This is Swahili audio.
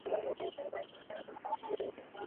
ili mambo yetu yaweze kufanikiwa naya